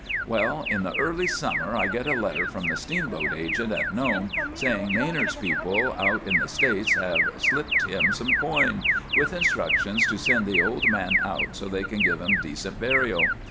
"Well, in the early summer I get a letter from the steamboat agent at Nome saying Manard's people out in the States have slipped him some coin, with instructions to send the old man out so they can give him decent burial.